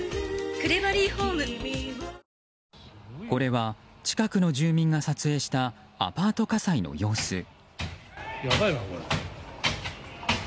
これは近くの住民が撮影したアパート火災の様子。